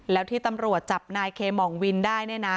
แล้วที่ตำรวจจับนายเคมองวินได้เนี่ยนะ